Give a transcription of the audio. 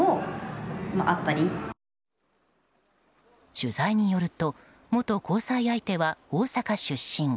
取材によると元交際相手は大阪出身。